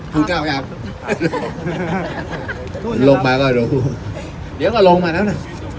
ถูกเข้ายังลงมาก็รู้เดี๋ยวก็ลงมาแล้วน่ะ